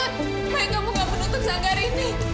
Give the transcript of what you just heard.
makanya kamu gak menutup sanggar ini